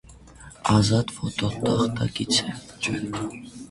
Ազատ ֆոտոթղթակից է։